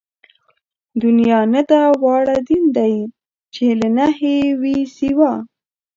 دنيا نه ده واړه دين دئ چې له نَهېِ وي سِوا